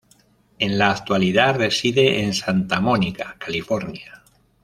En la actualidad reside en Santa Mónica, California.